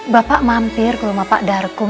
bapak mampir ke rumah pak darkum